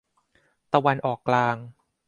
ตะวันออกกลาง